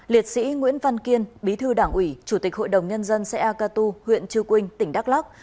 năm liệt sĩ nguyễn văn kiên bí thư đảng ủy chủ tịch hội đồng nhân dân xã eca tu huyện chư quynh tỉnh đắk lắc